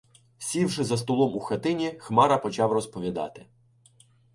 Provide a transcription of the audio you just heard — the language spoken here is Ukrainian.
Сівши за столом у хатині, Хмара почав розповідати.